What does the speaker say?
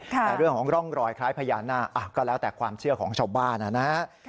แต่เรื่องของร่องรอยคล้ายพญานาคก็แล้วแต่ความเชื่อของชาวบ้านนะฮะ